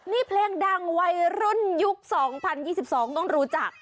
นี่เพลงดังวัยรุ่นยุคสองพันยี่สิบสองต้องรู้จัก